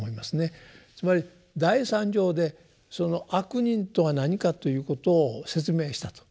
つまり第三条で「悪人」とは何かということを説明したと。